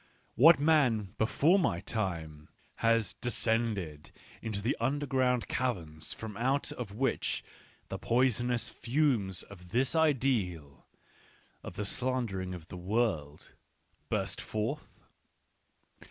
What man, before my time, had descended into the under ground caverns from out of which the poisonous fumes of this ideal — of this slandering of the world — burst forth